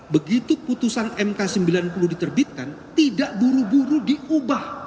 begitu putusan mk sembilan puluh diterbitkan tidak buru buru diubah